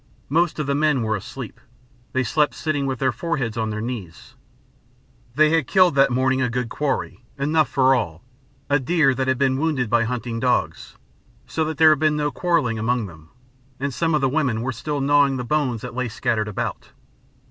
Most of the men were asleep they slept sitting with their foreheads on their knees. They had killed that morning a good quarry, enough for all, a deer that had been wounded by hunting dogs; so that there had been no quarrelling among them, and some of the women were still gnawing the bones that lay scattered about.